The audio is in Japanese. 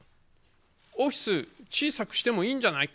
オフィス、小さくしてもいいんじゃないか。